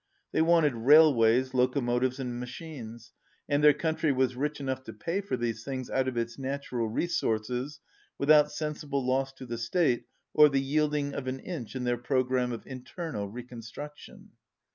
They wanted railways, locomotives, and machines, and their country was rich enough to pay for these things out of its natural resources without sensible loss to the state or the yielding of an inch in their programme of internal reconstruction.